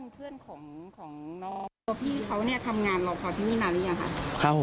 พี่เขาทำงานรอเคาะที่นี่นานนี้อย่างไรคะ